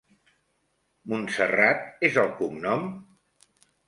Montserrat és el cognom?